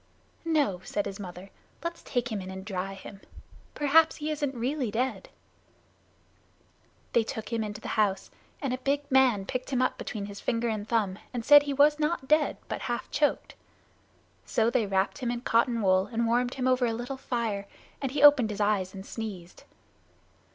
"No," said his mother, "let's take him in and dry him. Perhaps he isn't really dead." They took him into the house, and a big man picked him up between his finger and thumb and said he was not dead but half choked. So they wrapped him in cotton wool, and warmed him over a little fire, and he opened his eyes and sneezed.